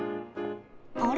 あれ？